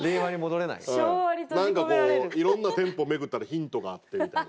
いろんな店舗巡ったらヒントがあってみたいな。